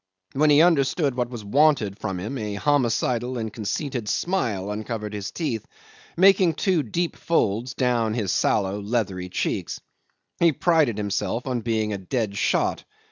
When he understood what was wanted from him a homicidal and conceited smile uncovered his teeth, making two deep folds down his sallow, leathery cheeks. He prided himself on being a dead shot.